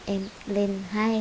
em lên hai